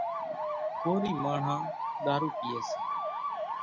ڪورِي ماڻۿان ۮارُو پيئيَ سي۔